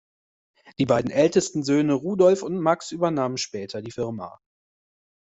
Die beiden ältesten Söhne Rudolf und Max übernahmen später die Firma.